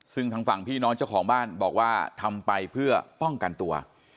ซึ่งทางฝั่งพี่น้องเจ้าของบ้านบอกว่าทำไปเพื่อป้องกันตัว